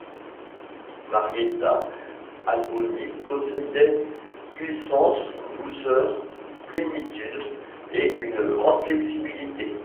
Marietta Alboni possédait puissance, douceur, plénitude et une grande flexibilité.